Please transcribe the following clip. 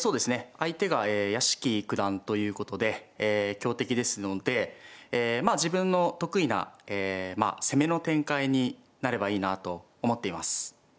相手が屋敷九段ということで強敵ですのでまあ自分の得意な攻めの展開になればいいなと思っています。